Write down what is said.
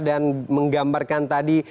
dan menggambarkan tadi